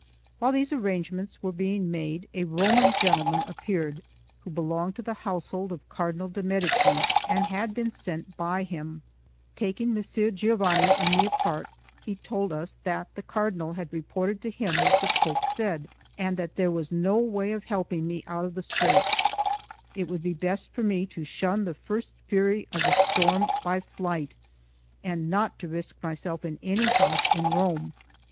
While these arrangements were being made, A Roman gentleman appeared, who belonged to the household of Cardinal de' Medici, and had been sent by him. Taking Messer Giovanni and me apart, he told us that the Cardinal had reported to him what the Pope said, and that there was no way of helping me out of the scrape; it would be best for me to shun the first fury of the storm by flight, and not to risk myself in any house in Rome.